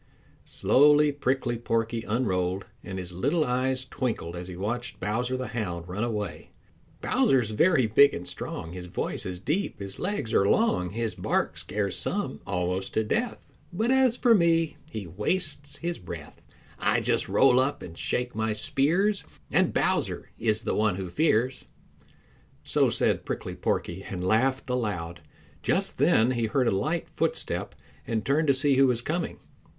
Slowly Prickly Porky unrolled, and his little eyes twinkled as he watched Bowser the Hound run away. "Bowser's very big and strong; His voice is deep; his legs are long; His bark scares some almost to death. But as for me he wastes his breath; I just roll up and shake my spears And Bowser is the one who fears." So said Prickly Porky, and laughed aloud. Just then he heard a light footstep and turned to see who was coming.